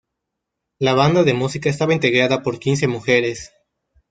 La banda de música estaba integrada por quince mujeres.